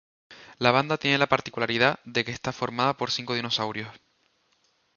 La banda tiene la particularidad de que está formada por cinco dinosaurios.